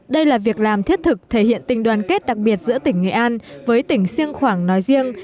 đây là việc làm thiết thực thể hiện tình đoàn kết đặc biệt giữa tỉnh nghệ an với tỉnh siêng khoảng nói riêng